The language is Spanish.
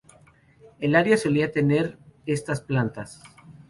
El área solía tener estas plantas.